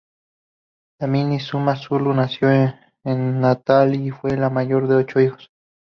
Dlamini-Zuma, zulú, nació en Natal y fue la mayor de ocho hijos.